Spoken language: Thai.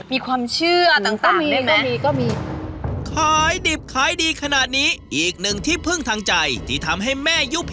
มีความเชื่อต่างก็มีไหม